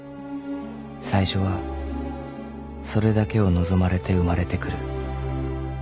［最初はそれだけを望まれて生まれてくる］